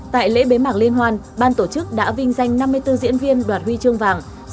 tại lễ bế mạc liên hoan ban tổ chức đã vinh danh năm mươi bốn diễn viên đoạt huy chương vàng